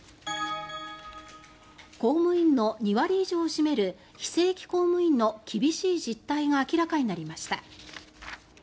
公務員の２割以上を占める非正規公務員の厳しい実態が明らかになりました。